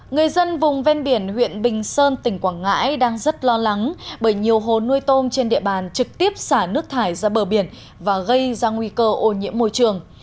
người dân vùng ven biển huyện bình sơn tỉnh quảng ngãi đang rất lo lắng bởi nhiều hồ nuôi tôm trên địa bàn trực tiếp xả nước thải ra bờ biển và gây ra nguy cơ ô nhiễm môi trường